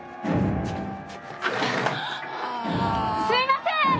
すいません！